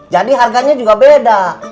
jadi harganya juga beda